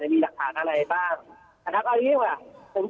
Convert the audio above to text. จากที่สูงวิเคราะห์อะไรมาต่างแล้วว่าทางสำรวจมีหลักฐานอะไรบ้าง